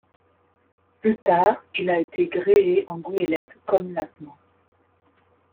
Plus tard, il a été gréé en goélette comme maintenant.